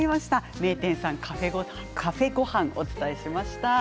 名店さんカフェごはんをお伝えしました。